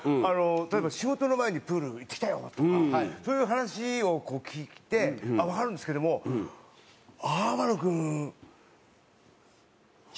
例えば「仕事の前にプール行ってきたよ」とかそういう話を聞いてわかるんですけども天野君。